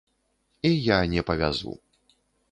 І я не павязу.